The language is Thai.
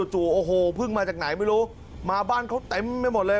จู่โอ้โหเพิ่งมาจากไหนไม่รู้มาบ้านเขาเต็มไปหมดเลย